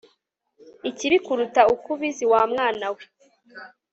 ikibi kuruta uko ubizi wa mwana we